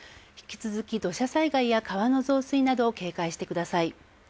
土砂災害や川の増水など警戒してください。